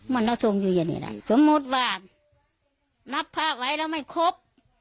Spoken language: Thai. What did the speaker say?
มันนักสงฆ์อยู่ในนี่นี้ละสมมติว่านับแพะให้เราไม่ครบ